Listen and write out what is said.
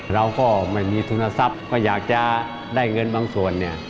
เราก็ไม่มีทุนทรัพย์ก็อยากจะได้เงินบางส่วนเนี่ย